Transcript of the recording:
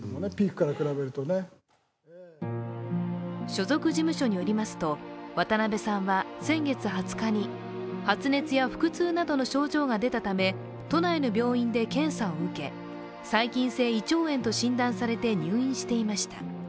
所属事務所によりますと渡辺さんは、先月２０日に発熱や腹痛などの症状が出たため都内の病院で検査を受け細菌性胃腸炎と診断されて入院していました。